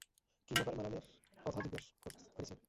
Kidnapper মারানের কথা জিজ্ঞেস করেছে।